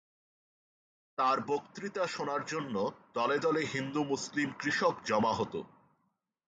তার বক্তৃতা শোনার জন্যে দলে দলে হিন্দু মুসলিম কৃষক জমা হতো।